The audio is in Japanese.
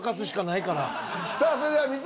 さあそれでは水田！